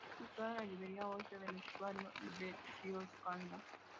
Está situada en la ribera oeste del estuario del río Escalda.